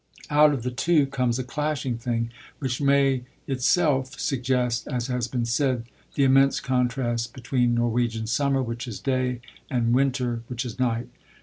Out of the two comes a clashing thing which may itself suggest, as has been said, the immense contrast between Norwegian summer, which is day, and winter, which is night.